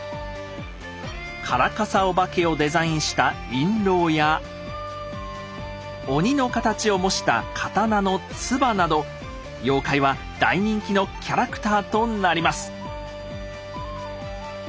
からかさお化けをデザインした印籠や鬼の形を模した刀の鍔など妖怪は大人気のキャラクターとなります。